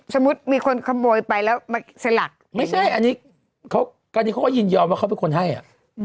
สมมุติมีคนขโมยไปแล้วมาสลักไม่ใช่อันนี้เขากรณีเขาก็ยินยอมว่าเขาเป็นคนให้อ่ะ